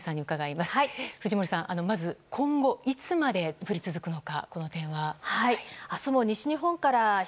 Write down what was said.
まず今後、いつまで降り続くのか。